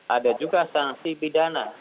ada juga sanksi pidana